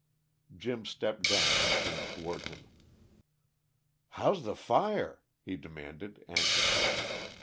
Jim stepped down and came toward him. "How's the fire?" he demanded anxiously.